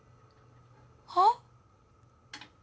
はっ？